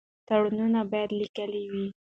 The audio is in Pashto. تړونونه باید لیکلي وي.